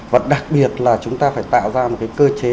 và đặc biệt là chúng ta phải tạo ra một cái cơ chế